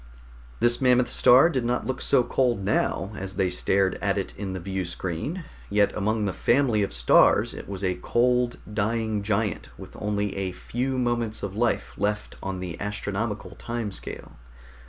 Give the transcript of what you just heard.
This mammoth star did not look so cold now, as they stared at it in the viewscreen, yet among the family of stars it was a cold, dying giant with only a few moments of life left on the astronomical time scale.